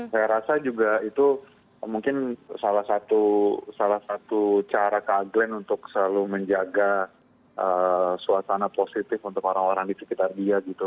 saya rasa juga itu mungkin salah satu cara kak glenn untuk selalu menjaga suasana positif untuk orang orang di sekitar dia gitu